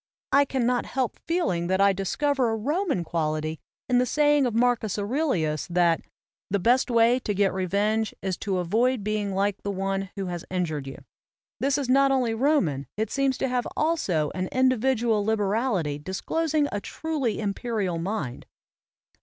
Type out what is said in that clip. I can not help feeling that I discover a Roman quality in the saying of Marcus Aurelius, that "the best way to get revenge is to avoid being like the one who has injured you." This is not only Roman, it seems to have also an individual liberality disclosing a truly imperial mind.